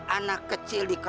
anak kecil dipercaya